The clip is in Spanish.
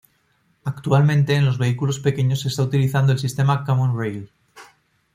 Actualmente en los vehículos pequeños se está utilizando el sistema "common-rail".